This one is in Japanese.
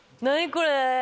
これ。